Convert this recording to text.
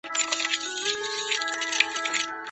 对主角的评价大都是积极的。